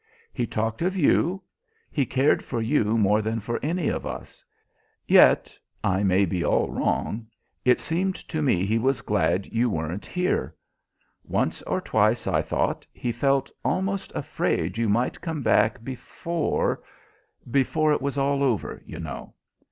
He talked of you. He cared for you more than for any of us; yet I may be all wrong it seemed to me he was glad you weren't here. Once or twice, I thought, he felt almost afraid you might come back before before it was all over, you know.